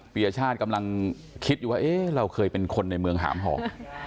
ปียชาติกำลังคิดอยู่ว่าเอ๊ะเราเคยเป็นคนในเมืองหามห่อ